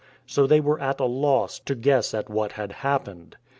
So they were at a loss to guess at what had happened.